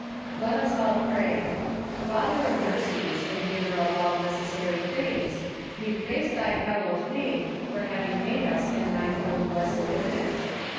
'" Let us all pray. Father of mercies, and Giver of all necessary things, we praise Thy hallowed name for having made us in Thine own blessed image.